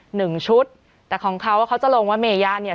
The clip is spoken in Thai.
หนึ่งชุดแต่ของเขาเขาจะลงว่าเมย่าเนี่ย